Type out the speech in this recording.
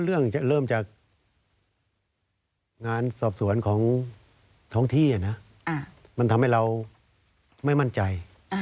เริ่มเริ่มจากงานสอบสวนของท้องที่นะมันทำให้เราไม่มั่นใจ